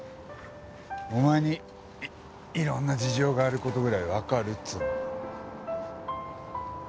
お前にいろんな事情がある事ぐらいわかるっつうの。